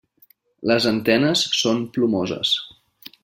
Les antenes són plomoses.